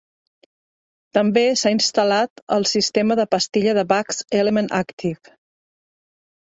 També s'ha instal·lat el sistema de pastilla de Baggs Element Active.